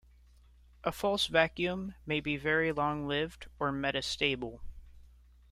A false vacuum may be very long-lived, or "metastable".